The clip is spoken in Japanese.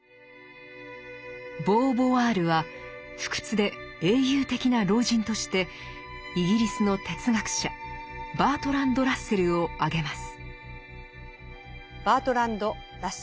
ボーヴォワールは不屈で英雄的な老人としてイギリスの哲学者バートランド・ラッセルを挙げます。